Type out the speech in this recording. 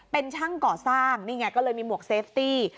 เป็นช่างก่อสร้างนี่ไงก็เลยมีหมวกเซฟตี้